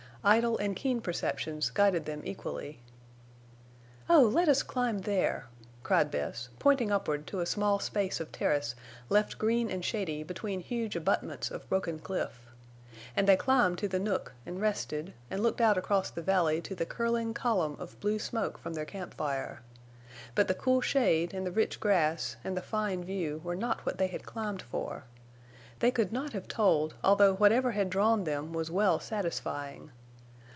Idle and keen perceptions guided them equally. "Oh, let us climb there!" cried Bess, pointing upward to a small space of terrace left green and shady between huge abutments of broken cliff. And they climbed to the nook and rested and looked out across the valley to the curling column of blue smoke from their campfire. But the cool shade and the rich grass and the fine view were not what they had climbed for. They could not have told, although whatever had drawn them was well satisfying.